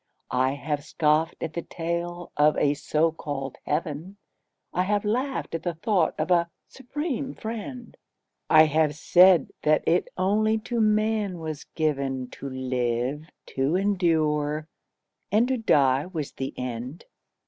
I have scoffed at the tale of a so called heaven; I have laughed at the thought of a Supreme Friend; I have said that it only to man was given To live, to endure; and to die was the end.